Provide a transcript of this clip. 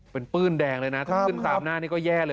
เป็นปื้นแดงเลยนะถ้าขึ้นตามหน้านี่ก็แย่เลย